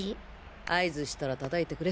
合図したら叩いてくれ。